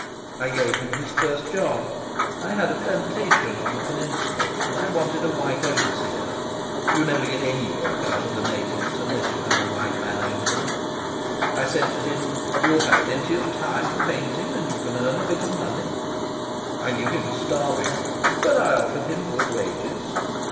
I gave him his first job. I had a plantation on the peninsula, and I wanted a white overseer. You never get any work out of the natives unless you have a white man over them. I said to him: 'You'll have plenty of time for painting, and you can earn a bit of money.' I knew he was starving, but I offered him good wages."